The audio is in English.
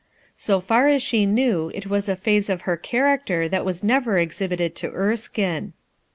So far as she knew, it was a phase of her character that was never exhibited to Erskine.